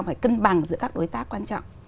phải cân bằng giữa các đối tác quan trọng